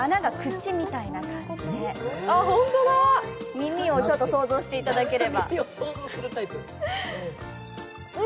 耳を想像していただければ。